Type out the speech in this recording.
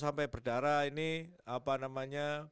sampai berdarah ini apa namanya